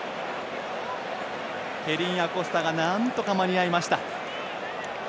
ケリン・アコスタがなんとか間に合いました。